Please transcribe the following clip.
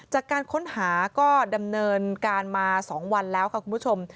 จากการค้นหาก็ดำเนินการมา๒วันแล้วค่ะคุณผู้ชม